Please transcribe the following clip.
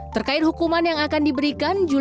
terkait hukuman yang akan diberikan